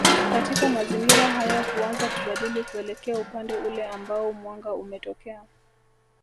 Katika mazingira haya huanza kubadili kuelekea upande ule ambao mwanga umetokea